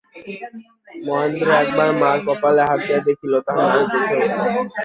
মহেন্দ্র একবার মার কপালে হাত দিয়া দেখিল, তাঁহার নাড়ী পরীক্ষা করিল।